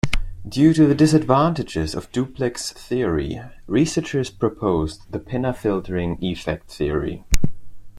Due to the disadvantages of duplex theory, researchers proposed the pinna filtering effect theory.